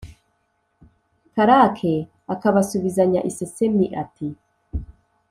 Karake akabasubizanya isesemi ati